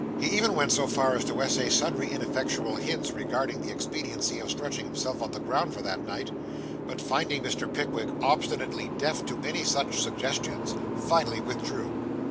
He even went so far as to essay sundry ineffectual hints regarding the expediency of stretching himself on the gravel for that night; but finding Mr. Pickwick obstinately deaf to any such suggestions, finally withdrew.